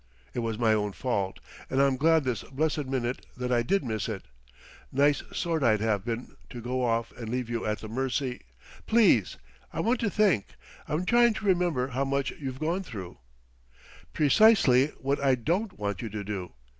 "It was my own fault, and I'm glad this blessed minute that I did miss it. Nice sort I'd have been, to go off and leave you at the mercy " "Please! I want to think, I'm trying to remember how much you've gone through " "Precisely what I don't want you to do.